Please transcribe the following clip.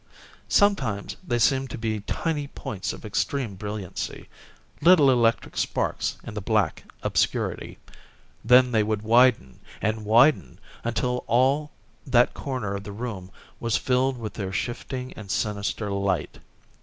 Sometimes they seemed to be tiny points of extreme brilliancy little electric sparks in the black obscurity then they would widen and widen until all that corner of the room was filled with their shifting and sinister light.